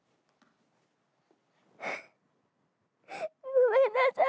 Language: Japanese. ごめんなさい。